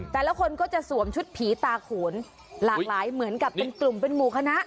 แต่ละคนก็จะสวมชุดผีตาโขนหลากหลายเหมือนกับเป็นกลุ่มเป็นหมู่คณะ